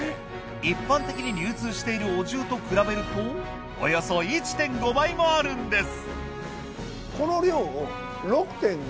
一般的に流通しているお重と比べるとおよそ１．５倍もあるんです。